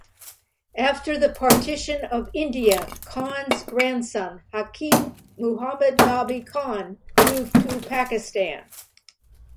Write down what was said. After the partition of India Khan's grandson Hakim Muhammad Nabi Khan moved to Pakistan.